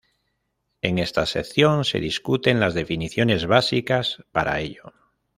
En esta sección se discuten las definiciones básicas para ello.